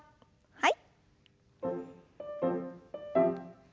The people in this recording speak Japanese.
はい。